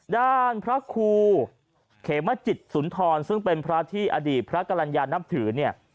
ด้านพระครูเขมจิตสุนทรซึ่งเป็นพระที่อดีตพระกรรณญานับถือเนี่ย